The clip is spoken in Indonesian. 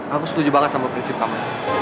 aku setuju banget sama prinsip kamu